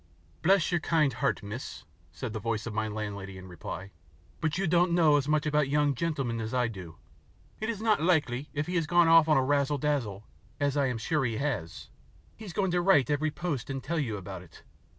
"Bless your kind heart, miss," said the voice of my landlady in reply, "but you don't know as much about young gentlemen as I do. It is not likely, if he has gone off on the razzle dazzle, as I am sure he has, he is going to write every post and tell you about it.